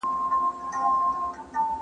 هغه وویل چې مسواک کارول سنت طریقه ده.